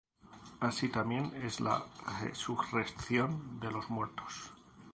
Así también es la resurrección de los muertos.